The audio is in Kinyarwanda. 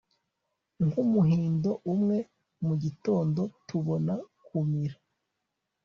nk, umuhindo umwe mugitondo, tubona kumira